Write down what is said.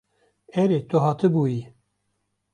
Erê tu hatibûyî.